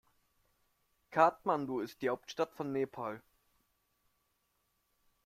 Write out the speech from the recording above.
Kathmandu ist die Hauptstadt von Nepal.